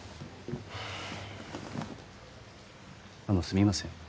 あのすみません